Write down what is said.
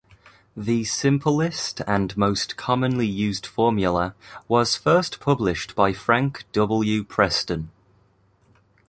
The simplest and most commonly used formula was first published by Frank W. Preston.